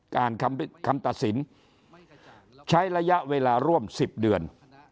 คำตัดสินใช้ระยะเวลาร่วม๑๐เดือน